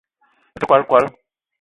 Me te kwal kwala